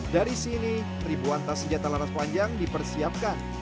dari sini ribuan tas senjata laras panjang dipersiapkan